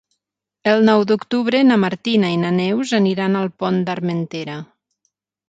El nou d'octubre na Martina i na Neus aniran al Pont d'Armentera.